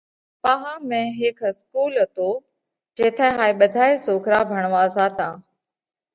پاها ۾ هيڪ اِسڪُول هتو جيٿئہ هائي ٻڌائي سوڪرا ڀڻوا زاتا۔